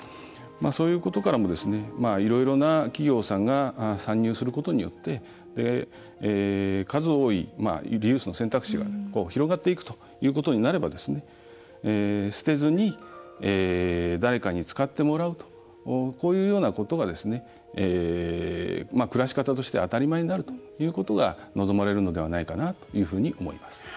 そういうことからもいろいろな企業さんが参入することによって数多いリユースの選択肢が広がっていくということになれば捨てずに誰かに使ってもらうとこういうようなことが暮らし方として当たり前になるということが望まれるのではないかと思います。